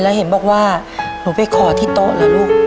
แล้วเห็นบอกว่าหนูไปขอที่โต๊ะเหรอลูก